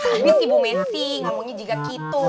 habis ibu messi ngomongnya juga gitu